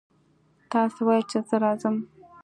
تاسې ویل چې زه راځم.